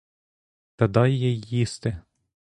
Та дай їй їсти.